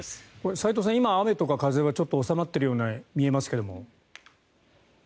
齋藤さん、今雨とか風はちょっと収まっているように見えますけれど。